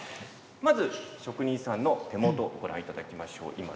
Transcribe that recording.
まず、職人さんの手元をご覧いただきましょう。